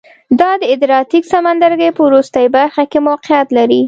دا د ادریاتیک سمندرګي په وروستۍ برخه کې موقعیت لري